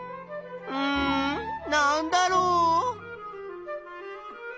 うんなんだろう？